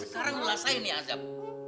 sekarang lu lasain ya azab